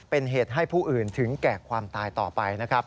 เป็นเหตุให้ผู้อื่นถึงแก่ความตายต่อไปนะครับ